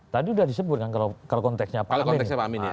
tadi sudah disebut kan kalau konteksnya pak amin